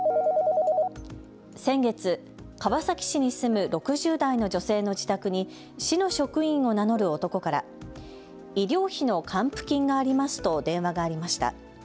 先月、川崎市に住む６０代の女性の自宅に市の職員を名乗る男から医療費の還付金がありますと電話がありました。